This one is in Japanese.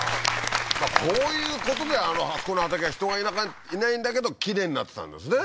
こういうことであそこの畑は人がいないんだけどきれいになってたんですね